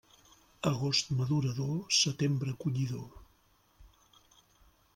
Agost madurador, setembre collidor.